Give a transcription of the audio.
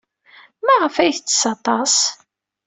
Maɣef ay yettess aṭas?